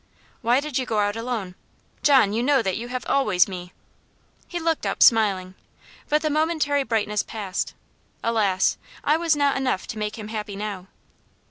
"Why did you go out alone? John, you know that you have always me." He looked up, smiling. But the momentary brightness passed. Alas! I was not enough to make him happy now.